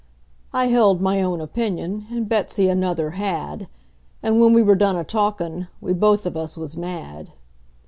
I held my own opinion, and Betsey another had; And when we were done a talkin', we both of us was mad.